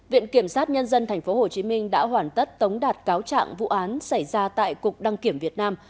viện kiểm sát nhân dân tp hcm đã hoàn tất tống đạt cáo trạng vụ án xảy ra tại cục đăng kiểm việt nam